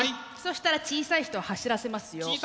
そしたら小さい人走らせますよ。